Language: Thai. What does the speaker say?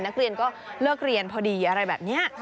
นักเรียนก็เลิกเรียนพอดีอะไรแบบนี้